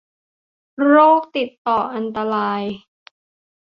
โรคติดต่ออันตราย